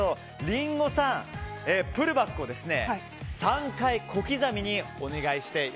リンゴさん、プルバックを３回小刻みにお願いします。